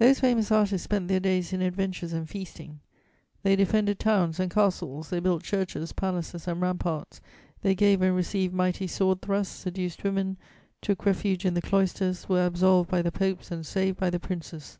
Those famous artists spent their days in adventures and feasting; they defended towns and castles; they built churches, palaces and ramparts; they gave and received mighty sword thrusts, seduced women, took refuge in the cloisters, were absolved by the popes and saved by the princes.